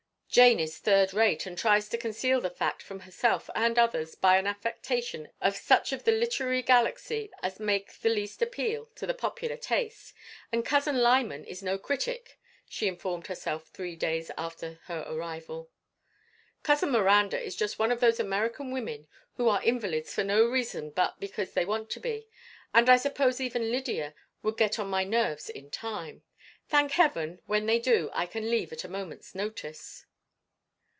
"Jane is third rate, and tries to conceal the fact from herself and others by an affectation of such of the literary galaxy as make the least appeal to the popular taste, and cousin Lyman is no critic," she informed herself three days after her arrival. "Cousin Miranda is just one of those American women who are invalids for no reason but because they want to be, and I suppose even Lydia would get on my nerves in time. Thank Heaven, when they do I can leave at a moment's notice."